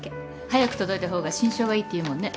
早く届いた方が心証がいいっていうもんね。